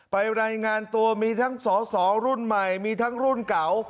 รายงานตัวมีทั้งสอสอรุ่นใหม่มีทั้งรุ่นเก่า